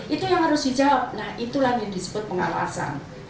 itu yang harus dijawab nah itulah yang disebut pengawasan